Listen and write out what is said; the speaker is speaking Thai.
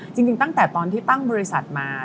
จริงตั้งแต่ตอนที่ตั้งบริษัทมา